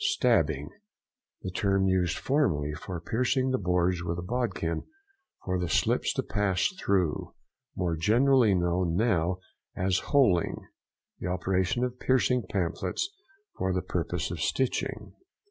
STABBING.—The term used formerly for piercing the boards with a bodkin for the slips to pass through; more generally |179| known now as "holeing." The operation of piercing pamphlets for the purpose of stitching.